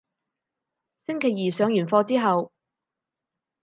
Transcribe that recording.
星期二上完課之後